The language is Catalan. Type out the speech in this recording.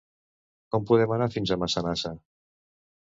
Com podem anar fins a Massanassa?